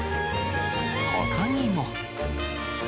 ほかにも。